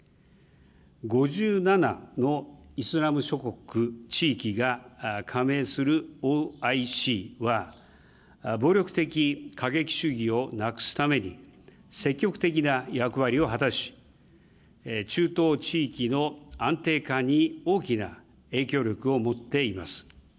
５７のイスラム諸国・地域が加盟するＯＩＣは、暴力的過激主義をなくすために、積極的な役割を果たし、中東地域の安定化に大きな影響力を持っています。